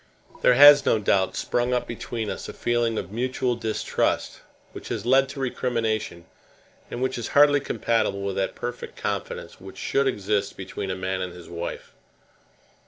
There has no doubt sprung up between us a feeling of mutual distrust, which has led to recrimination, and which is hardly compatible with that perfect confidence which should exist between a man and his wife.